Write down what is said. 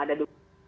tak ada dukungan